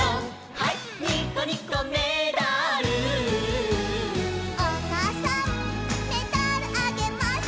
「ニッコニコメダル」「おかあさんメダルあげます」